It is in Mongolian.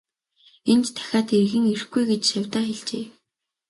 Энд дахиад эргэн ирэхгүй гэж шавьдаа хэлжээ.